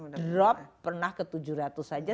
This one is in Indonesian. drop pernah ke tujuh ratus saja